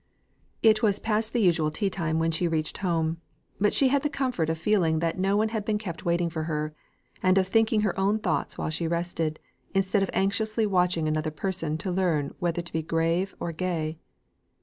It was past the usual tea time when she reached home; but she had the comfort of feeling that no one had been kept waiting for her; and of thinking her own thoughts while she rested, instead of anxiously watching another person to learn whether to be grave or gay.